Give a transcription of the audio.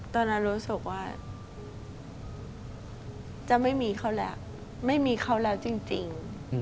ตอนนั้นรู้สึกว่าจะไม่มีเขาแล้วไม่มีเขาแล้วจริง